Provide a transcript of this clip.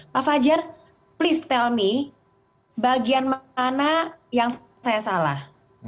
pak fajar please telmi bagian mana yang saya salah